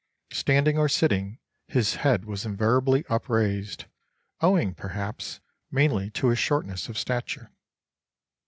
Standing or sitting, his head was invariably upraised, owing, perhaps, mainly to his shortness of stature.